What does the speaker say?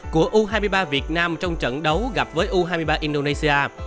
của u hai mươi ba việt nam trong trận đấu gặp với u hai mươi ba indonesia